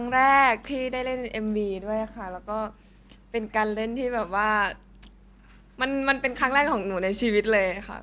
แล้วก็เป็นการเล่นที่แบบว่ามันเป็นครั้งแรกของหนูในชีวิตเลยค่ะ